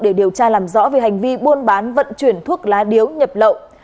để điều tra làm rõ về hành vi buôn bán vận chuyển thuốc lá điếu nhập lậu